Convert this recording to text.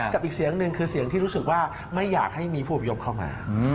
อีกเสียงหนึ่งคือเสียงที่รู้สึกว่าไม่อยากให้มีผู้อพยพเข้ามา